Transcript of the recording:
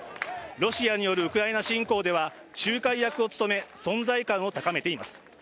ロシアによるウクライナ侵攻では仲介役を務め、存在感を高めています。